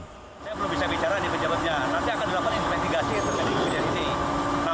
saya belum bisa bicara di penjabatnya nanti akan dilakukan investigasi